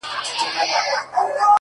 د ژوند خوارۍ كي يك تنها پرېږدې ـ